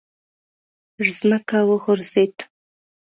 پر ځمکه وغورځېد.